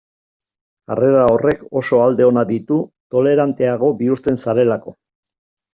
Jarrera horrek oso alde onak ditu toleranteago bihurtzen zarelako.